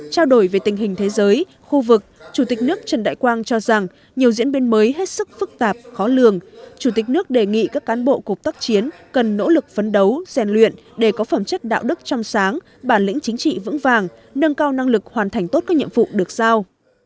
trao đổi về tình hình thế giới khu vực chủ tịch nước trần đại quang cho rằng nhiều diễn biến mới hết sức phức tạp khó lường chủ tịch nước đề nghị các cán bộ cục tác chiến cần nỗ lực phấn đấu rèn luyện để có phẩm chất đạo đức trong sáng bản lĩnh chính trị vững vàng nâng cao năng lực hoàn thành tốt các nhiệm vụ được sao